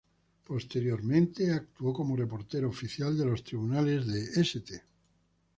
Posteriormente, actuó como reportero oficial de los tribunales de St.